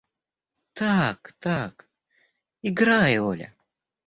– Так, так. Играй, Оля!